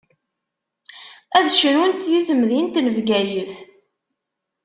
Ad cnunt di temdint n Bgayet.